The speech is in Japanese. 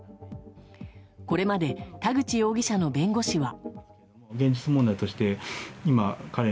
これまで田口容疑者の弁護士は。